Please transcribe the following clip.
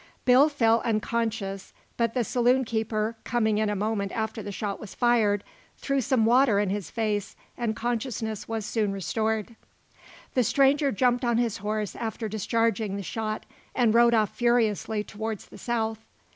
Bill fell unconscious, but the saloon keeper coming in a moment after the shot was fired, threw some water in his face and consciousness was soon restored. The stranger jumped on his horse after discharging the shot and rode off furiously towards the south.